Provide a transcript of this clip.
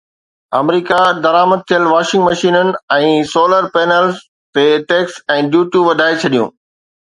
آمريڪا درآمد ٿيل واشنگ مشينن ۽ سولر پينلز تي ٽيڪس ۽ ڊيوٽيون وڌائي ڇڏيون